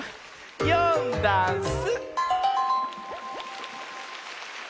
「よんだんす」